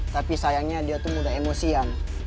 tapi sayangnya dia tuh muda emosian